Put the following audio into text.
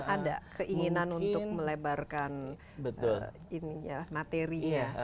ada keinginan untuk melebarkan materinya